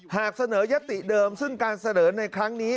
หากเสนอยติเดิมซึ่งการเสนอในครั้งนี้